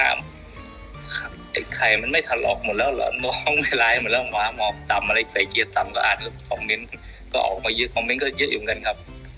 ไอ้ใครมันไม่ถลอกหมดแล้วหรอมองไม่ร้ายหมดแล้วหมา